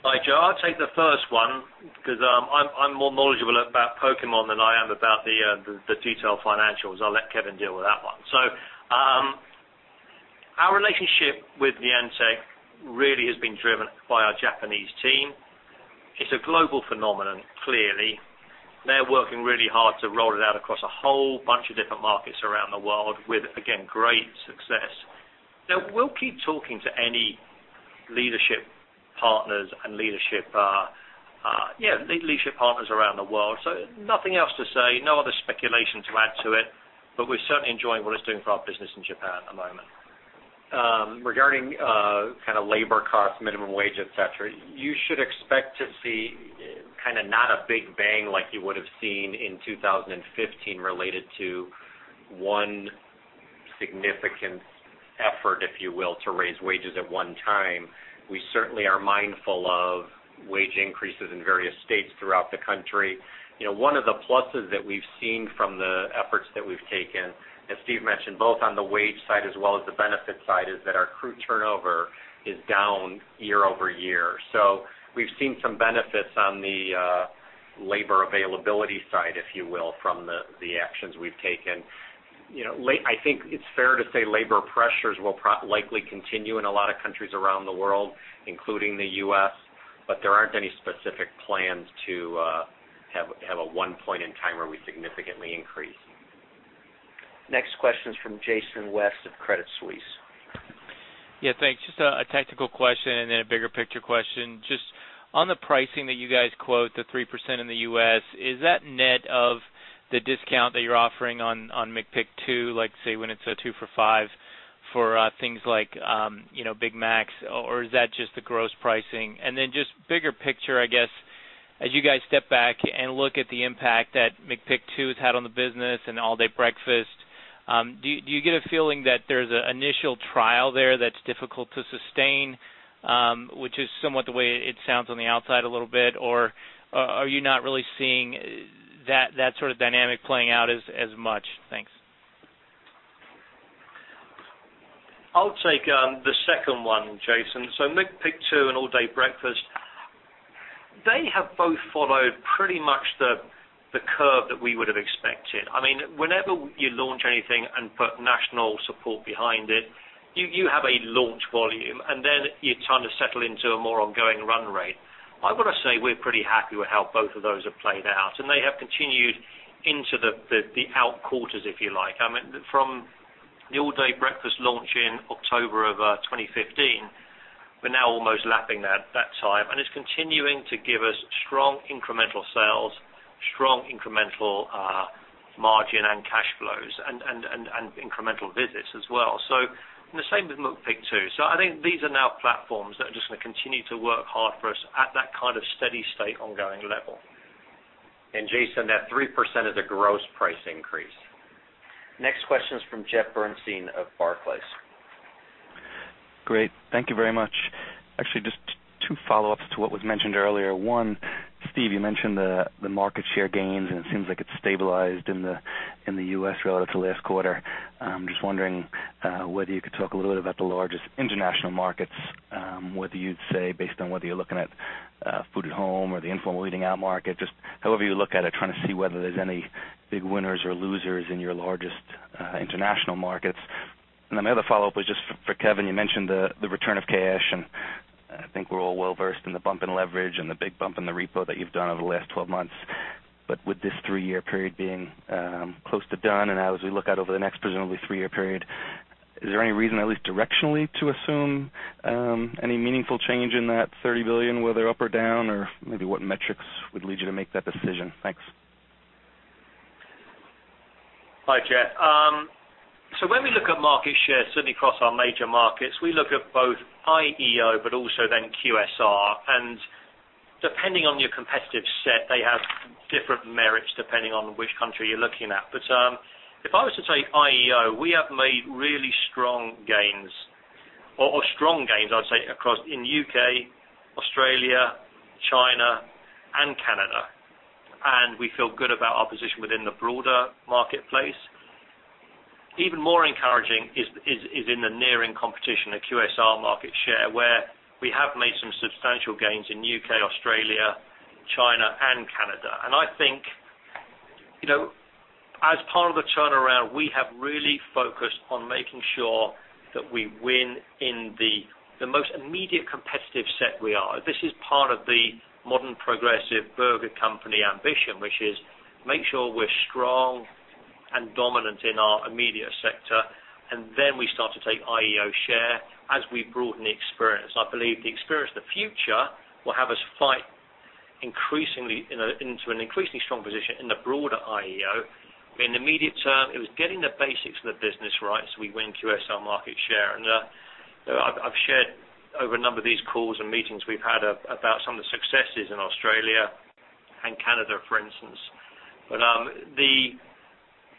Hi, Joe. I'll take the first one because I'm more knowledgeable about Pokémon than I am about the detailed financials. I'll let Kevin deal with that one. Our relationship with Niantic really has been driven by our Japanese team. It's a global phenomenon, clearly. They're working really hard to roll it out across a whole bunch of different markets around the world with, again, great success. We'll keep talking to any leadership partners around the world. Nothing else to say, no other speculation to add to it, but we're certainly enjoying what it's doing for our business in Japan at the moment.
Regarding kind of labor costs, minimum wage, et cetera, you should expect to see kind of not a big bang like you would have seen in 2015 related to one significant effort, if you will, to raise wages at one time. We certainly are mindful of wage increases in various states throughout the country. One of the pluses that we've seen from the efforts that we've taken, as Steve mentioned, both on the wage side as well as the benefit side, is that our crew turnover is down year-over-year. We've seen some benefits on the labor availability side, if you will, from the actions we've taken. I think it's fair to say labor pressures will likely continue in a lot of countries around the world, including the U.S., but there aren't any specific plans to have a one point in time where we significantly increase.
Next question is from Jason West of Credit Suisse.
Yeah, thanks. Just a technical question and then a bigger picture question. Just on the pricing that you guys quote, the 3% in the U.S., is that net of the discount that you're offering on McPick 2, say, when it's a two for five for things like Big Mac, or is that just the gross pricing? Just bigger picture, I guess, as you guys step back and look at the impact that McPick 2 has had on the business and All Day Breakfast, do you get a feeling that there's an initial trial there that's difficult to sustain, which is somewhat the way it sounds on the outside a little bit? Or are you not really seeing that sort of dynamic playing out as much? Thanks.
I'll take the second one, Jason. McPick 2 and All Day Breakfast, they have both followed pretty much the curve that we would have expected. Whenever you launch anything and put national support behind it, you have a launch volume, then you're trying to settle into a more ongoing run rate. I've got to say, we're pretty happy with how both of those have played out, and they have continued into the out quarters, if you like. From the All Day Breakfast launch in October of 2015, we're now almost lapping that time, and it's continuing to give us strong incremental sales, strong incremental margin and cash flows, and incremental visits as well. The same with McPick 2. I think these are now platforms that are just going to continue to work hard for us at that kind of steady state ongoing level.
Jason, that 3% is a gross price increase.
Next question is from Jeffrey Bernstein of Barclays.
Great. Thank you very much. Actually, just two follow-ups to what was mentioned earlier. One, Steve, you mentioned the market share gains, and it seems like it's stabilized in the U.S. relative to last quarter. I'm just wondering whether you could talk a little bit about the largest international markets, whether you'd say based on whether you're looking at food at home or the informal eating-out market, just however you look at it, trying to see whether there's any big winners or losers in your largest international markets. My other follow-up was just for Kevin. You mentioned the return of cash, and I think we're all well-versed in the bump in leverage and the big bump in the repo that you've done over the last 12 months. With this three-year period being close to done, as we look out over the next presumably three-year period, is there any reason, at least directionally, to assume any meaningful change in that $30 billion, whether up or down, or maybe what metrics would lead you to make that decision? Thanks.
Hi, Jeff. When we look at market share, certainly across our major markets, we look at both IEO, also QSR. Depending on your competitive set, they have different merits depending on which country you're looking at. If I was to take IEO, we have made really strong gains, or strong gains, I'd say, across in U.K., Australia, China, and Canada. We feel good about our position within the broader marketplace. Even more encouraging is in the nearing competition, the QSR market share, where we have made some substantial gains in U.K., Australia, China, and Canada. I think, as part of the turnaround, we have really focused on making sure that we win in the most immediate competitive set we are. This is part of the modern progressive burger company ambition, which is make sure we're strong and dominant in our immediate sector, then we start to take IEO share as we broaden the experience. I believe the Experience of the Future will have us fight into an increasingly strong position in the broader IEO. In the immediate term, it was getting the basics of the business right so we win QSR market share. I've shared over a number of these calls and meetings we've had about some of the successes in Australia and Canada, for instance.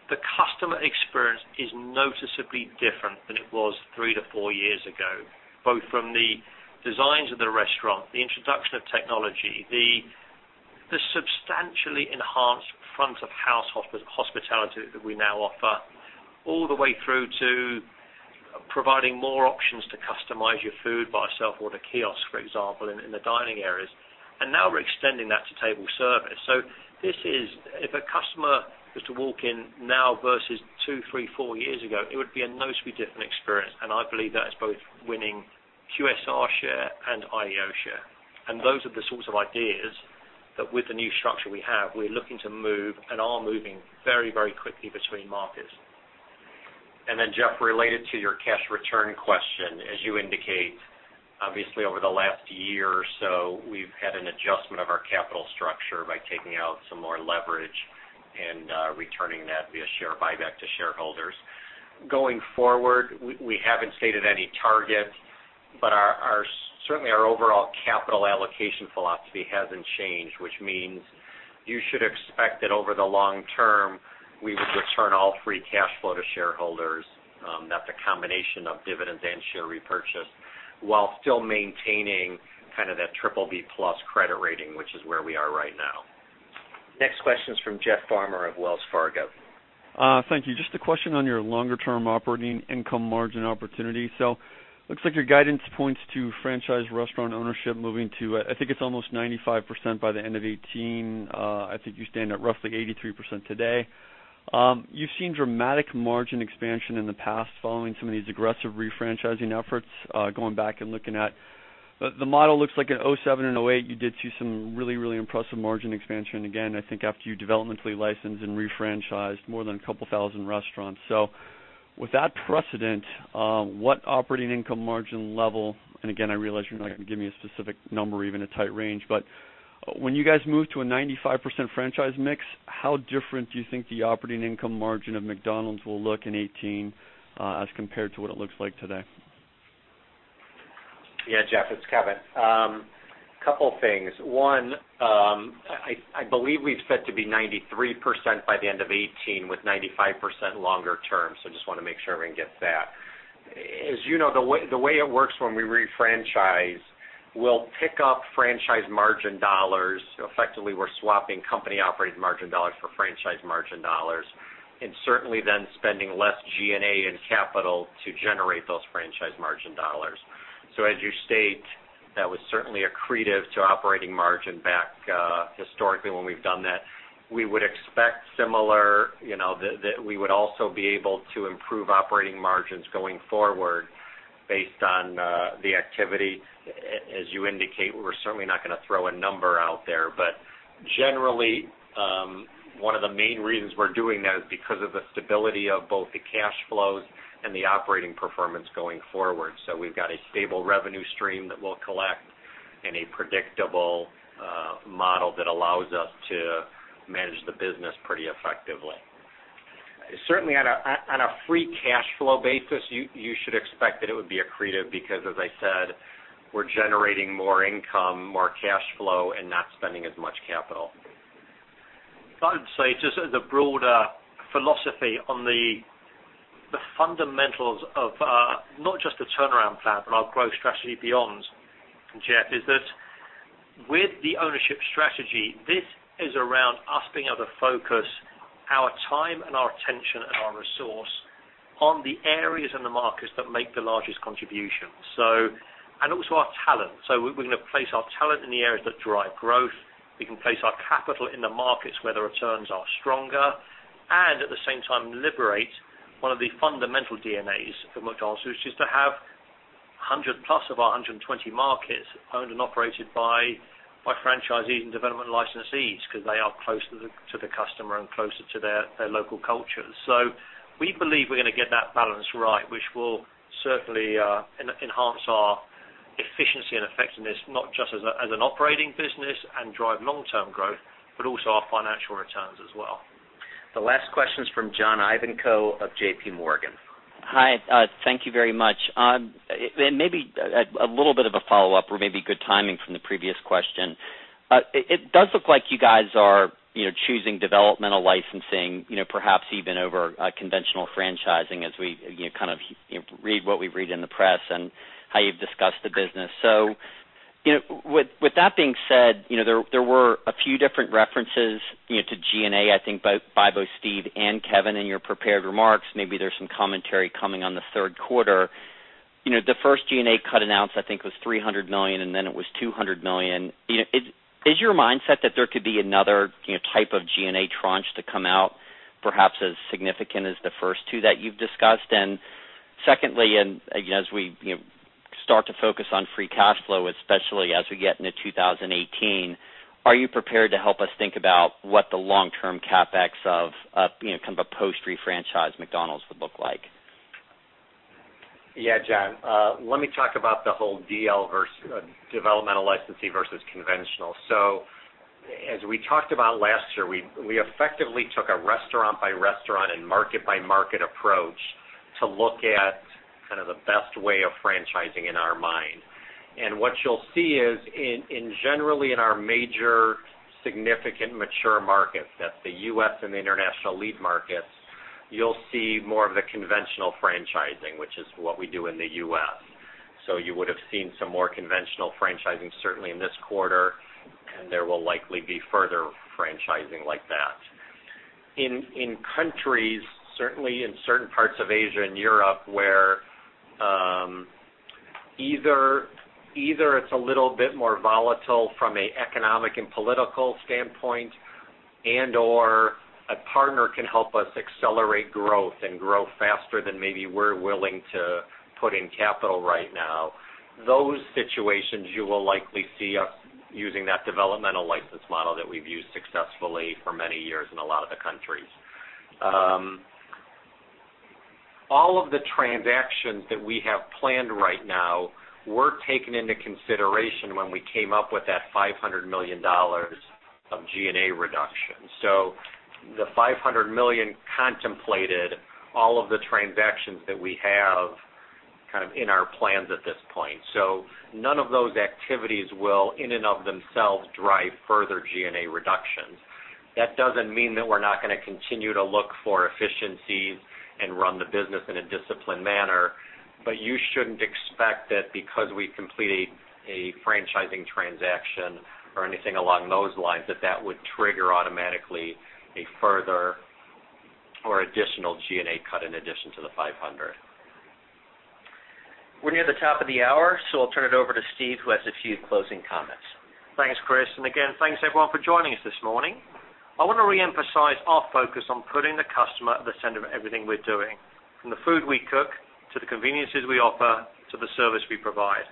The customer experience is noticeably different than it was three to four years ago, both from the designs of the restaurant, the introduction of technology, the substantially enhanced front of house hospitality that we now offer, all the way through to providing more options to customize your food by a self-order kiosk, for example, in the dining areas. Now we're extending that to table service. If a customer was to walk in now versus two, three, four years ago, it would be a noticeably different experience, and I believe that is both winning QSR share and IEO share. Those are the sorts of ideas that with the new structure we have, we're looking to move and are moving very quickly between markets.
Jeff, related to your cash return question, as you indicate, obviously over the last year or so, we've had an adjustment of our capital structure by taking out some more leverage and returning that via share buyback to shareholders. Going forward, we haven't stated any targets, but certainly our overall capital allocation philosophy hasn't changed, which means you should expect that over the long term, we would return all free cash flow to shareholders. That's a combination of dividends and share repurchase while still maintaining that BBB+ credit rating, which is where we are right now.
Next question is from Jeff Farmer of Wells Fargo.
Thank you. Just a question on your longer-term operating income margin opportunity. Looks like your guidance points to franchise restaurant ownership moving to, I think it's almost 95% by the end of 2018. I think you stand at roughly 83% today. You've seen dramatic margin expansion in the past following some of these aggressive re-franchising efforts, going back and looking at. The model looks like in 2007 and 2008, you did see some really impressive margin expansion again, I think after you developmentally licensed and re-franchised more than a couple thousand restaurants. With that precedent, what operating income margin level, and again, I realize you're not going to give me a specific number or even a tight range, but when you guys move to a 95% franchise mix, how different do you think the operating income margin of McDonald's will look in 2018, as compared to what it looks like today?
Yeah, Jeff, it's Kevin. Couple things. One, I believe we've said to be 93% by the end of 2018 with 95% longer term. Just want to make sure everyone gets that. As you know, the way it works when we re-franchise, we'll pick up franchise margin dollars. Effectively, we're swapping company operating margin dollars for franchise margin dollars, and certainly then spending less G&A and capital to generate those franchise margin dollars. As you state, that was certainly accretive to operating margin back historically when we've done that. We would expect similar, that we would also be able to improve operating margins going forward based on the activity. As you indicate, we're certainly not going to throw a number out there. Generally, one of the main reasons we're doing that is because of the stability of both the cash flows and the operating performance going forward. We've got a stable revenue stream that we'll collect and a predictable model that allows us to manage the business pretty effectively. Certainly on a free cash flow basis, you should expect that it would be accretive because, as I said, we're generating more income, more cash flow, and not spending as much capital.
If I would say, just as a broader philosophy on the fundamentals of not just the turnaround plan, but our growth strategy beyond, Jeff, is that with the ownership strategy, this is around us being able to focus our time and our attention and our resource on the areas and the markets that make the largest contribution. Also our talent. We're going to place our talent in the areas that drive growth, we can place our capital in the markets where the returns are stronger, and at the same time liberate one of the fundamental DNAs of McDonald's, which is to have 100 plus of our 120 markets owned and operated by franchisees and development licensees because they are closer to the customer and closer to their local culture. We believe we're going to get that balance right, which will certainly enhance our efficiency and effectiveness, not just as an operating business and drive long-term growth, but also our financial returns as well.
The last question is from John Ivankoe of J.P. Morgan.
Hi. Thank you very much. Maybe a little bit of a follow-up or maybe good timing from the previous question. It does look like you guys are choosing developmental licensing, perhaps even over conventional franchising as we read what we read in the press and how you've discussed the business. With that being said, there were a few different references to G&A, I think by both Steve and Kevin in your prepared remarks. Maybe there's some commentary coming on the third quarter. The first G&A cut announced, I think was $300 million, and then it was $200 million. Is your mindset that there could be another type of G&A tranche to come out, perhaps as significant as the first two that you've discussed? Secondly, as we start to focus on free cash flow, especially as we get into 2018, are you prepared to help us think about what the long-term CapEx of a post refranchise McDonald's would look like?
Yeah, John. Let me talk about the whole DL versus, developmental licensee versus conventional. As we talked about last year, we effectively took a restaurant by restaurant and market by market approach to look at the best way of franchising in our mind. What you'll see is generally in our major significant mature markets, that's the U.S. and the international lead markets, you'll see more of the conventional franchising, which is what we do in the U.S. You would have seen some more conventional franchising certainly in this quarter, and there will likely be further franchising like that. In countries, certainly in certain parts of Asia and Europe, where either it's a little bit more volatile from an economic and political standpoint and/or a partner can help us accelerate growth and grow faster than maybe we're willing to put in capital right now. Those situations, you will likely see us using that developmental license model that we've used successfully for many years in a lot of the countries. All of the transactions that we have planned right now were taken into consideration when we came up with that $500 million of G&A reduction. The $500 million contemplated all of the transactions that we have in our plans at this point. None of those activities will, in and of themselves, drive further G&A reductions. That doesn't mean that we're not going to continue to look for efficiencies and run the business in a disciplined manner. You shouldn't expect that because we completed a franchising transaction or anything along those lines, that that would trigger automatically a further or additional G&A cut in addition to the $500 million.
We're near the top of the hour, I'll turn it over to Steve, who has a few closing comments.
Thanks, Chris. Again, thanks everyone for joining us this morning. I want to reemphasize our focus on putting the customer at the center of everything we are doing, from the food we cook, to the conveniences we offer, to the service we provide.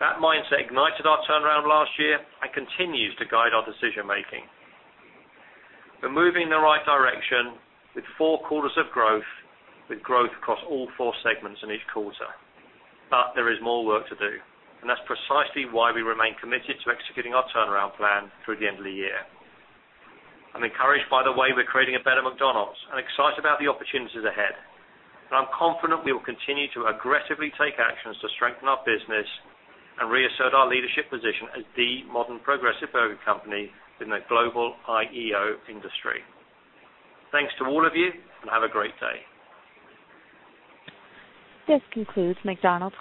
That mindset ignited our turnaround last year and continues to guide our decision-making. We are moving in the right direction with four quarters of growth, with growth across all four segments in each quarter. There is more work to do, and that is precisely why we remain committed to executing our turnaround plan through the end of the year. I am encouraged by the way we are creating a better McDonald's and excited about the opportunities ahead. I am confident we will continue to aggressively take actions to strengthen our business and reassert our leadership position as the modern progressive burger company in the global IEO industry. Thanks to all of you, and have a great day.
This concludes McDonald's